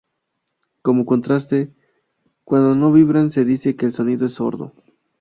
Como contraste, cuando no vibran se dice que el sonido es sordo.